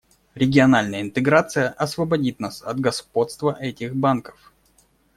Региональная интеграция освободит нас от господства этих банков.